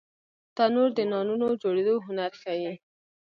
تنور د نانونو جوړېدو هنر ښيي